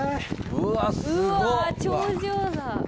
うわっ頂上だ。